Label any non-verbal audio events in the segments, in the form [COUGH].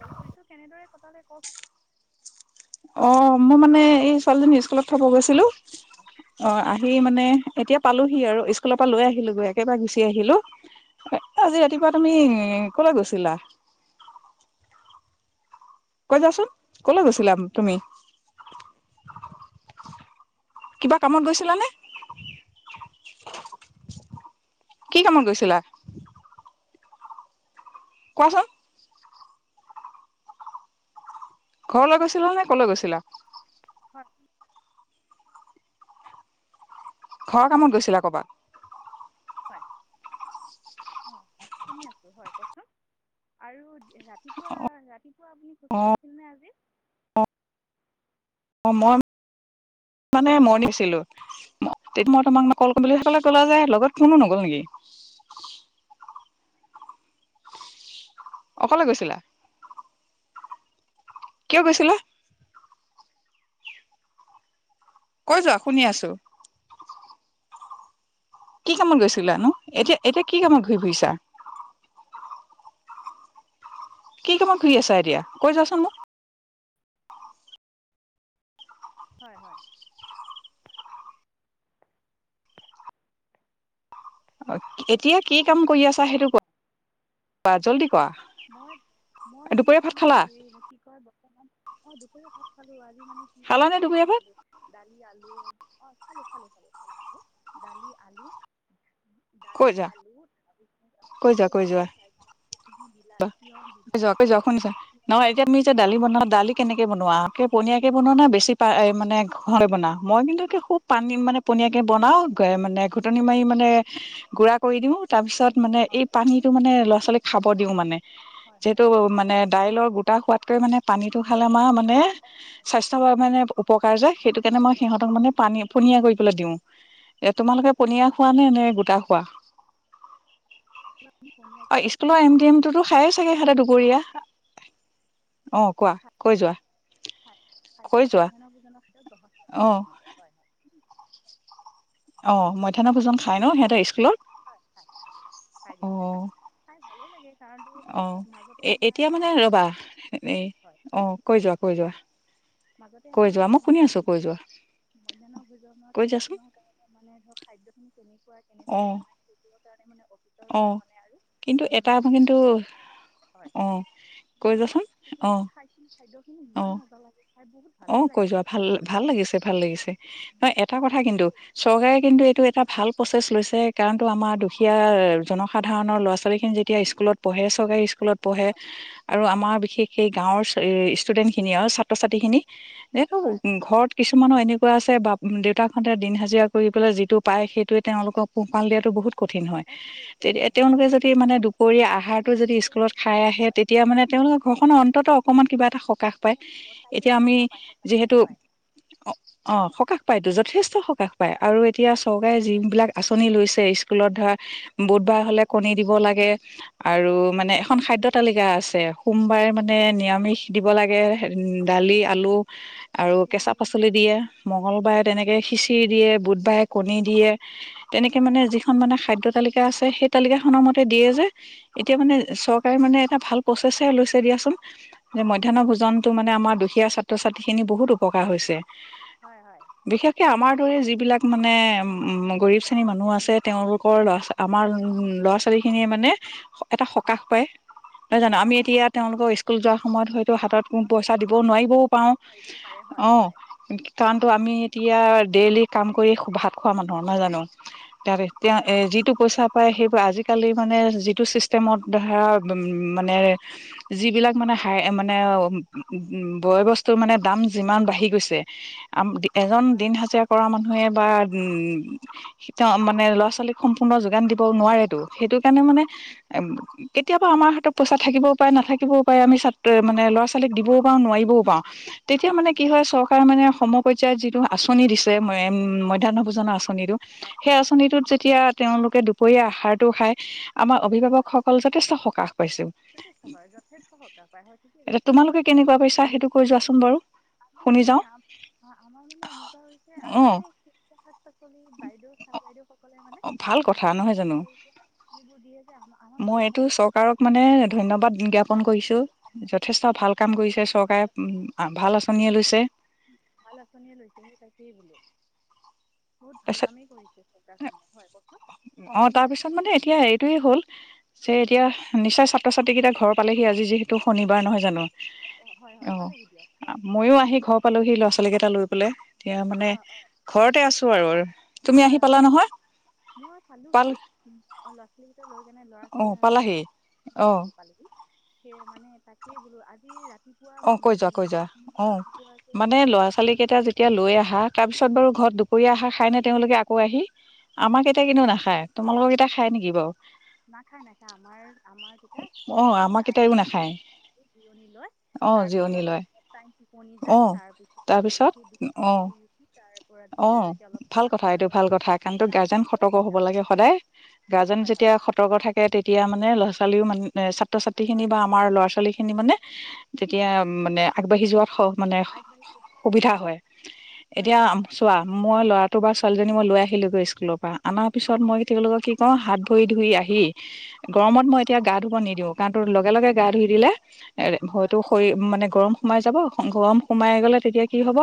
কোল কৰিছো কেনেদৰে কটালে কওক। অ, মই মানে এই ছোৱালীজনী স্কুলত থ'ব গৈছিলোঁ। অ, আহি মানে এতিয়া পালোহি আৰু স্কুলৰ পৰা লৈ আহিলোঁ গৈ একেবাৰে গুচি আহিলোঁ। আজি ৰাতিপুৱা তুমি, ক'লৈ গৈছিলা। কৈ যোৱা চোন, ক'লৈ গৈছিলা তুমি। কিবা কামত গৈছিলানে। কি কামত গৈছিলা? কোৱাচোন। ঘৰলৈ গৈছিলা নে ক'লৈ গৈছিলা। ঘৰত ঘৰৰ কামত গৈছিলা ক'ৰবাত হয় অ শুনি আছো হয় কওকচোন আৰু ৰাতিপুৱা ৰাতিপুৱা আপুনি খোজ অ কঢ়িছিল নে আজি অ মই মানে মইণিক ছিলো তেতিয়া মই তোমাক কল কৰিম বুলি সেইফালে গ'লা যে লগত কোনো নগ'ল নেকি অকলে গৈছিলা কিয় গৈছিলা কৈ যোৱা শুনি আছো কি কামত গৈছিল নো এতিয়া এতিয়া কি কামত ঘূৰি ফুৰিছা কি কামত ঘূৰি আছা এতিয়া কৈ যাচোন মোক হয় হয় অ এতিয়া কি কাম কৰি আছা সেইটো কোৱা জলদি মই মই ভাত বৰ্তমান খালা হেৰি কি কয় মই দুপৰীয়া ভাত খালো আজি মানে কি খালা হয় নে হেৰি দুপৰীয়া ভাত বনালো দালি আলু অ খালো খালো খালো খালো দালি আলু কৈ দালি যোৱা আলু চ দালি আলু তাৰ পিছত পু দি য কৈ যোৱা কৈ যোৱা শুনিছা নহ এতিয়া আমি এতিয়া দালি বনা দালি কেনেকে বনোৱা আকে দালি পনীয়াকে বনোৱা না বেছি পা মানে ঘে বনাওঁ মই কিন্তু কি খুব পানী মানে পনীয়াকে কণী বনাও মানে ঘুটনি মাৰি মানে গুৰা কৰি দিওঁ হয় তাৰপিছত মানে এই হয় পানীটো মানে ল'ৰা ছোৱালীক খাব হয় দিও মানে হয় হয় যিহেতু হয় মানে দাইলৰ গো টা সোৱাদকৈ মানে পানীটো খালে আমাৰ মানে স্বাস্থ্য মানে উপকাৰ যে সেইটো সেইকাৰণে মই হয় সিহঁতক মানে পানী পনীয়া কৰি পেলাই দিওঁ এ তোমালোকে পনীয়া খোৱা হয় নে হয় নে গোটা খোৱা অ খাদ্য স্কুলৰ এম ডি এম টোতো খায়ে মধ্যাহ্ন চাগে সিহঁতে দুপৰীয়া ভোজনৰ অ ক্ষত কোৱা কৈ যোৱা গ্ৰহণ কৈ যোৱা বাৰু অ হয় হয় অ মধ্যান ভোজন খাই ন সিহঁতে স্কুলত হয় খায় খায় খায় খায় দিয়ক খাই খাই ভাল ভালে লাগে কাৰণতো আহ মাজতে এ আমাৰ এতিয়া মানে ৰবা এ হয় অ কৈ যোৱা কৈ যোৱা মাজতে কৈ মানে যোৱা মই শুনি আমাৰ আছো কৈ যোৱা হ মধ্যান ভোজন কৈ তেষ্টিংৰ কাৰণে মানে ধৰক খাদ্য অহ। তাই মানে [INAUDIBLE] [UNINTELLIGIBLE] পৰা মানে আৰু অম এটা হয় তে কিন্তু অ কৈ নহয় যোৱাচোন তেতিয়া অ আমি খাইছিলোঁ খাদ্যখিনি অ ইমান মজা লাগে। খাই বহুত ভালেই অ', কৈ যোৱা লাগেচোন খাই ভাল ভাল লাগিছে ভাল লাগিছে। ন' এটা কথা মাজতে কিন্তু চৰকাৰে কিন্তু হয় এইটো এটা ভাল প্ৰচেছ লৈছে। তে [UNINTELLIGIBLE] আমাৰ দুখীয়া জনসাধাৰণৰ ল'ৰা ছোৱালীৰখিনি যেতিয়া স্কুলত পঢ়ে চৰকাৰী স্ক লত পঢ়ে হয় আৰু হয় আমাৰ বিশেষ সেই গাঁৱৰ এই ষ্টুডেণ্টখিনি আৰু ছাত্ৰ ছাত্ৰীখিনি? এইটো হয় ঘৰত কিছুমানো এনেকুৱা আছে বা দেউতাকাহঁতে দিন হাজিৰা কৰি পেলাই যিটো পায় সেইটোৱে তেওঁলোকক পোহপাল দিয়াটো বহুত কঠিন হয়, অঁ ঠিকেই কৈছে তে হয় হয় তেওঁলোকে যদি মানে দুপৰীয়া আহাৰটো আমি যদি তেতিয়াই স্কুলত কৈছোঁ খাই আৰু আহে হয় তেতিয়া মানে তেওঁলোকৰ ঘৰখনৰ অন্তত অকণমান কিবা এটা সকাহ পায়‌‌ অঁ এতি তাকেই এতিয়া আমি সকাহ পায় সকাহ পায় যিহেতু হয় অহ, হয় সকাহ পায়তো যথেষ্ট সকাহ পায় আ আৰু এতিয়া যথেষ্ট সকাহ চৰকাৰে পায় যিবিলাক আঁচনি লৈছে ইস্কুলত ধৰা বুধবাৰ হ'লে কণী দিব লাগে। আৰু হয় মানে সেউজীয়া এখন শাক খাদ্য পাচলি তালিকা আছে সোমবাৰে মানে নিৰামিষ। দিব লাগে হেৰ দালি, আলু আৰু খিচিৰি কেঁচা পাচলি দিয়ে মঙ্গলবাৰে তেনেকে খিচিৰি দিয়ে, বুধবাৰে কণী দিয়ে। তেনেকে হয় মানে যিখন মানে খাদ্য তালিক কা আছে সেই তালিকাখনৰ মতে দিয়ে যে এতিয়া মানে হয় চৰকাৰে মানে এটা ভাল প্ৰচেছে লৈছে দিয়াচোন। যে, হয় মধ্যাহ্ন হয় ভোজনতটো মানে আমাৰ দুখীয়া ছাত্ৰ ছাত্ৰীখিনি বহুত উপকাৰ হৈছে। হয় হয় হয় বিশেষকে আমাৰ ৰে যিবিলাক মানে উম, গৰীব এতিয়া শ্ৰেণী মানুহ চেনী আছে তেওঁলোকৰ ল'ৰা আমাৰ হয় ল'ৰা ছোৱালী খিনিয়ে মানে এটা সকাহ হয় পায় নহয় জানো? হয় আমি হয় এতিয়া তেওঁলোকৰ ইচ যোৱাৰ সময়ত হয় ত' হাতত পইচা দি নোৱায়িবয়ো পাৰো পাৰিবও পাৰে হয় অ', হয় কাৰণটো আমি এতিয়া ডেইলি কাম কৰি ভাত খোৱা মানুহ নহয় জানো? তাৰে তেতিয়া এ, হয় যিটো পইচা সেইবোৰ আজিকালি মানে যিটো ছিষ্টেমত ধৰা মানে যিবিলাক মানে হাই মানে উ বয় বস্তুৰ মানে দাম যিমান বাঢ়ি গৈছে আম এজন হয় দিন হয় হাজিৰা কৰা মানুহে বা উম তেওঁ মানে ল'ৰা ছোৱালীক সম্পূৰ্ণ যোগান দিব নোৱাৰেটো, সেইটো সেইকাৰণে মানে এ' কেতিয়াবা আমাৰ হাতত পইচা থাকিবও পাৰে নাথাকিবও পাৰে, আমি ত মানে হয় ল'ৰা ছোৱালীক দিব নোৱাৰিবও পাও- তেতিয়া মানে কি হয় চৰকাৰে মানে সমক এটিয়া যিটো আঁচনি দিছে, মধ্যাহ্ন ভোজনৰ আঁ নিদো, হয় হয় সেই হয় আচনিটোত‌ যেতিয়া তেওঁলোক তিয়া দুপৰীয়া আহাৰটো খায়, আমাৰ হয় হয় অভিভাৱকসকল যথেষ্ট সকাহ পাইছো, যথেষ্ট হয় যথেষ্ট সকাহ পায় হয় ঠিকেই এতিয়া কৈছে আপুনি তোমালোকে ইচা সেইটো কৰি যোৱাচোন বাৰু, আমি শুনি মানে, যাওঁ আমাৰ মানে এনেকুৱা হৈছে, অ আমি মানে তুমি বাইদেউ চা'ৰ বাইদেউ সকলে অ, ভাল কথা নহয় জানো? পাচলিবোৰ দিয়ে যে আমা- আমাৰ মই মাজে এইটো মাজে চৰকাৰক মানে অভিভাৱকসকলেও ধন্যবাদ জ্ঞাপন কৰিছো, যথেষ্ট ভাল কাম কৰিছে চৰকাৰে, যথেষ্ট ভাল আচ ভাল আচনি লৈছে, সেই তাকেই বোলো বহুত ভাল তাৰপিছত কামেই কৰিছে, হয় কওকচোন অ' শুনি তাৰ পিছত আছোঁ মানে এতিয়া এইটোয়ে হ'ল, যে এতিয়া, হয় নিচা ছাত্ৰ ছাত্ৰীকেইটা ঘৰত পালেহি আজি যিহে টো শনিবাৰ নহয় জানো, অঁ হয় হয় অ' পালেহি দিয়ক হয় মইও আহি ঘৰ পালোহি ল'ৰা ছোৱালী কেইটা লৈ, শুলে এতিয়া মানে হয় অঁ ঘৰতে আছো আৰু, তুমি আহি হয় পালা হয় হয়, নহয় মই পাল কি? লখীমপুৰ সে কাৰনে ল'ৰা অ লৈ, পালাহি অ পালোহি পালোহি। সে মানে তাকেই বোলো আজি ৰাতি অ' কৈ যোৱা কৈ যোৱা, যে অ' মানে হেৰি ল'ৰা ছোৱালী উম, কেইটা যেতিয়া লৈ আহা, তাৰ পিছত বাৰু ঘৰত দুপৰীয়া আহাৰ খাই নে তেওঁলোকে আকৌ আহি? আমাক কেইটা কিন্তু হয় নাখায়, তোমালোকৰ কেইটা খায় নেকি বাৰু? নাখায় নাখায় আমাৰ আমাৰ কেইটাই অ ধুনীয়া আমাৰ কেইটাইও নাখায় কে [UNINTELLIGIBLE] জিয়ণি লৈ অ জিৰণি তাৰপিছত লয় অলপ টাই টোপনি অ যায় তাৰপিছত আৰু উঠি দুটা অ পৰা শুই উঠি তাৰ পৰা অ ধুনীয়াকে অলপ ভাল খেলা কথা ধূলা এইটো কৰে ভাল কথা কাৰণতো কিতাপ গাৰ্জেন কেতিয়া সতৰ্ক হ'ব কিতাপ লাগে লয় বাৰু সদায় গাৰ্জেন হয় হয় যেতিয়া সতৰ্ক থাকে তেতিয়া মানে ল'ৰা ছোৱালীও মানে ছাত্ৰ ছাত্ৰী খিনি হয় বা হয় হয় আমাৰ ল'ৰা ছোৱালী খিনি ঠিকে মানে কৈছে যেতিয়া মানে আগবাঢ়ি যোৱাত স মানে আগবাঢ়িছে সুবিধা হয় হয় এতিয়া হয় হয় চোৱা মই ল'ৰাটো বা ছোৱালীজনী মই লৈ আহিলোগৈ স্কুলৰ পৰা অনাৰ পিছত মই তেওঁলোকক কি কওঁ হাত ভৰি ধুই আহি উম, গৰমত মই এতিয়া গা ধুব নিদি দিওঁ কাৰণ তোৰ লগে লগে গা ধুই দিলে এ হয় টো শৰীৰ মানে গৰম সোমাই যাব গৰম সোমাই গ'লে তেতিয়া কি হব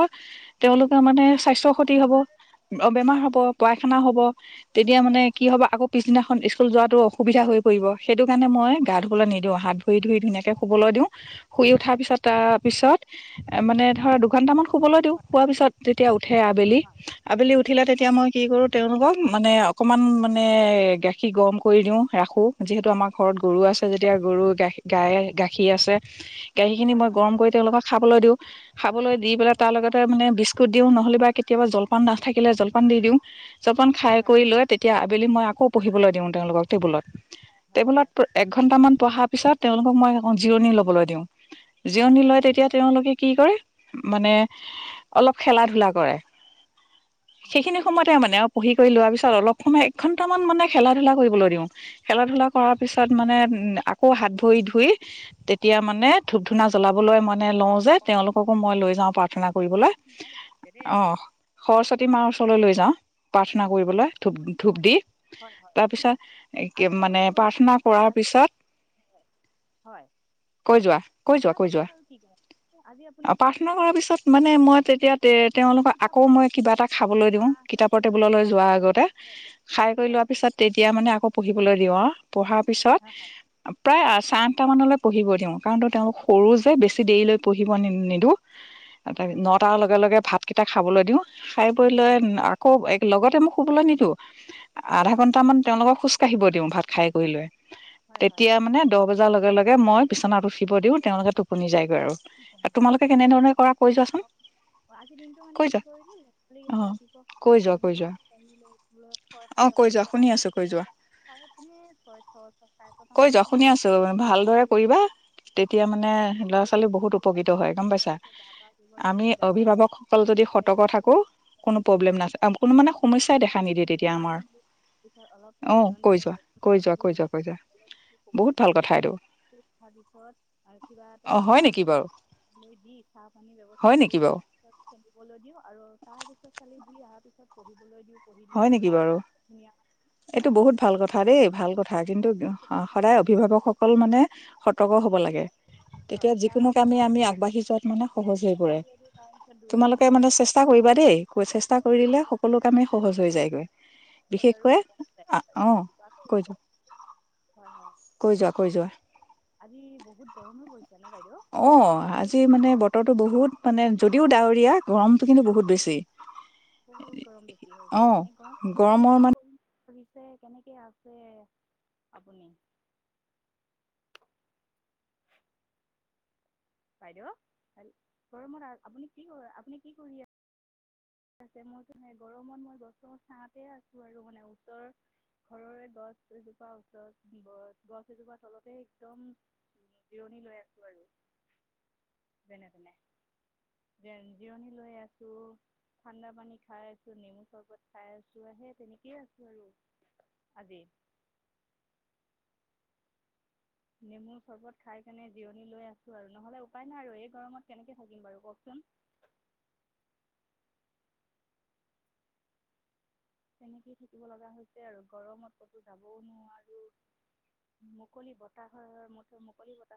তেওঁলোকে মানে স্বাস্থ্য ক্ষতি হ'ব বেমাৰ অ হয় বেমাৰ হ'ব পায়খানা হ'ব তেতিয়া মানে কি হ'ব আকৌ পিছদিনাখন স্কুল যোৱাতো অসুবিধা হৈ পৰিব সেইটো কাৰণে মই গা ধুবলৈ নিদিওঁ হাত ধৰি ধুই ধুনীয়াকে শুবলৈ দিওঁ শুই উঠাৰ পিছত তাৰপিছত মানে ধৰা দুঘন্টাামান শুবলৈ দিওঁ শোৱাৰ পিছত যেতিয়া উঠে হয় আবেলি আবেলি উঠিলে তেতিয়া হয় হয় হয় হয় হয় হয় মই কি কৰোঁ তেওঁলোকক মানে অকমান মানে গাখীৰ গৰম কৰি দিওঁ ৰাখো যিহে আমাৰ ঘৰত গৰু আছে যেতিয়া গৰু গাখীৰ গাই গাখীৰ আছে [INAUDIBLE] গাখী খিনি মই গৰম কৰি তেওঁ লগত খাবলৈ দিওঁ খা দি পেলা হয় হয় তাৰ লগতে মানে বিচ দিও নহ'লে বা কেতিয়াবা জলপান নাথাকিলে জলপান দি দিওঁ যপান খাই হয় হয় হয় হয় কৰি লয় তেতিয়া আবেলি মই আকৌ পঢ়িবলৈ দিওঁ তেওঁলোকক টেবুলত টেবুলত এক ঘন্টামান পঢ়াত পিছত তেওঁলোকক মই এখন জিৰণি ল'বলৈ দিওঁ জিৰণি হয় হয় লয় হয় তেতিয়া তেওঁলোকে কি কৰে মানে অলপ খেলা ধূলা কৰে উম, সেইখিনি সময়তে মানে পঢ়ি কৰি লোৱাৰ পিছত অলপ সময় এক ঘন্টামান মানে খেলা ধূলা কৰিবলৈ দিওঁ খেলা ধূলা হয় কৰাৰ হয় পিছত মানে আকৌ হাত ভৰি ধুই তেত তেতিয়া মানে ধু-ধু ধূনা জ্বলাবলৈ মানে লওঁ যে, তেওঁলোককো মই লৈ যাওঁ প্ৰাৰ্থনা কৰিবলৈ। কথাটো ধুনীয়া কথা কৈছে দেই অ', আপুনি সৰস্বতী মাৰ ওচৰলৈ লৈ যাওঁ। প্ৰাৰ্থনা কৰিবলৈ ধূপ-ধূপ দি হয় হয় হয় তাৰ আৰু পিছত এটা মানে কথা সোধো প্ৰাৰ্থনা কৰাৰ আজি পিছত হয় কৈ যোৱা, কৈ যোৱা, প্ৰাৰ্থনা কৈ কৰাৰ যোৱা পিছত আৰু কি কৰে আজি আপুনি অ', প্ৰাৰ্থনা সেইখিনি কৰাৰ কৰালে পিছত মানে মই তেতিয়া তে-তেওঁলোকক আকৌ কিতাপত মই কিবা এটা খাবলৈ দিওঁ, চাহ কিতাপৰ কিবা টেবুললৈ যো যোৱাৰ আগতে খাই হেৰি কৰি হয় লোৱা পিছত তেতিয়া মানে আকৌ পঢ়িবলৈ দিওঁ আউ পঢ়াৰ পিছত প্ৰায় আচান কেইটা মানলৈ পঢ়িবই দিওঁ কাৰণ তেওঁ সৰু যে বেছি দেৰিলৈ পঢ়িব নি-নিদিওঁ। এটাক হয় হয় হয় নটাৰ লগে লগে ভাত কেইটা খাবলৈ দিওঁ। খাই বৈ লৈ হয় হয় আকৌ লগতে মই শুবলৈ নিদিওঁ। হয় আধা হয় ঘন্টা মান তেওঁলোকক খোজ কাঢ়িব দিওঁ ভাত খাই কৰি লৈ। হয় হয় তেতিয়া হয় মানে দহ বজাৰ লগে লগে [UNINTELLIGIBLE] মই বিছনাত ওঠ আকৌ [INAUDIBLE] তোমালোকে যাইগৈ, কেনেধৰণে কৰা কৈ যোৱাচোন অ', আজি দিনটো মানে কৈ কি যোৱা কৰিলোঁ ল'ৰা ছোৱালী অ কেইটা ৰাতিপুৱা কৈ যোৱা কৈ যোৱা [INAUDIBLE] ছয় অ সাত কৈ মান যোৱা বজাত, শুনি আছো কৈ যোৱা ছয় চাৰে ছয় ছ চাৰে ছটা কৈ যোৱা মানতে শুনি আছো হৈছে ভালদৰে ম [INAUDIBLE] কৰিবা তেতিয়া মানে ল'ৰা ছোৱালী বহুত উপকৃত হয় গম পাইছা? তাৰপিছত গা পা ধুব দিছোঁ আমি গা পা ধুই অভিভাৱকসকল যদি পেলাই সতৰ্ক স্কুলত থাকো কোনো দিছোঁ প্ৰব্লেম স্কুলৰ নাছে কোনো মানে সমস্যাই দেখা নিদিয়ে পৰা তেতিয়া আমাৰ। আনিলোঁ পিছত অলপ টাইম অ', জিৰণি কৈ লৈ যোৱা কৈ যোৱা কৈ যোৱা কৈ যোৱা, শুবলৈ বহুত দিয়াৰ ভাল কথা এইটো। পিছত আ, কিবা এটা অ হয় আহাৰ নেকি বাৰু বনাই [INAUDIBLE] দি চাহ পানীৰ ব্যৱস্থা হয় কৰি নেকি লৈ বাৰু তাৰপিছত খেলিবলৈ দিওঁ আৰু তাৰ পিছত খালি [UNINTELLIGIBLE] অহাৰ পিছত পঢ়িবলৈ দিওঁ। পঢ়ি লোৱাৰ হয় নেকি পিছত বাৰু। ধুনীয়া এইটো হয় মায়ে বহুত ভাল কথা দেই। ভাল কথা। কিন্তু সৰস্বতীক সেৱা সদায় কৰিবলৈ দিওঁ অভিভাৱকসকল, মানে, সত সতৰ্ক হ'ব মণি লাগে। পিছত তেতিয়া হয় যিকোনো কামেই তাৰপিছত আমি আগবাঢ়ি যোৱাত, মানে, সহজ হৈ পৰে। পঢ়িব দিওঁ তাৰপিছত তোমালোকে ন মানে চেষ্টা দহ কৰিবা দেই। চেষ্টা কৰি দিলে সকলো কামেই সহজ হৈ যায়গৈ। পিছত আৰু বিশেষকৈ টোপনি যায় অ', ৰাতিপুৱা আকৌ কৈ উঠে যাওক হয় হয় কৈ যোৱা, কৈ যোৱা আজি বহুত গৰমো পৰিছে ন বাইদেউ অ', আজি মানে বতৰটো বহুত মানে যদিও ডাৱৰীয়া, গৰমটো কিন্তু বহুত বেছি বহুত গৰম বেছি অ হৈছে। এনে গৰমত আপুনি গৰমৰ কি মানে কৰিম বুলি ভাবিছে? ৰে, কেনেকে আছে আপুনি? বাইদেউ, গৰমত আপুনি কি কৰি? আপুনি কি কৰি আছে? মইতো গৰমত মই গছৰ ছাঁতে আছোঁ, আৰু মানে ওচৰৰ ঘৰৰে গছ এজোপা, ওচৰৰ গছ এজোপা তলতেই একদম জিৰণি লৈ আছোঁ আৰু যেনে-তেনে যেন জিৰণি লৈ আছোঁ। ঠাণ্ডা পানী খাই আছোঁ, নেমু চৰবত খাই আছোঁ। সেই তেনেকেই আছোঁ, আৰু আজি নেমু চৰবত খাই কেনে জিৰণি লৈ আছোঁ, আৰু নহ'লে উপায় নাই আৰু এই গৰমত কেনেকে থাকিম বাৰু, কওকচোন তেনেকেই থাকিব লগা হৈছে আৰু গৰমত ক'তো যাবও নোৱাৰোঁ। মুকলি বতাহৰ মুঠ, মুকলি ব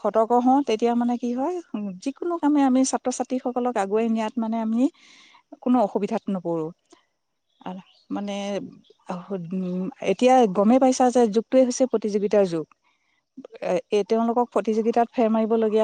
সতৰ্ক হওঁ। তেতিয়া মানে কি হয়, উম, যিকোনো আমি, আমি ছাত্ৰ-ছাত্ৰীসকলক আগুৱাই নিয়াত মানে আমি কোনো অসুবিধাত নপৰোঁ। আৰু মানে, উম, এতিয়া গমেই পাইছা যে যুগটোৱেই হৈছে প্ৰতিযোগিতাৰ যুগ, এ এ তেওঁলোকক প্ৰতিযোগিতাত ফেৰ মাৰিবলগীয়া